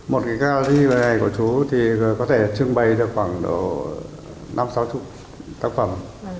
một cái gallery này của chú thì có thể trưng bày được khoảng năm sáu chục tác phẩm